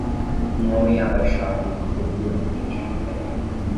Um homem é abaixado em uma polia na frente de um prédio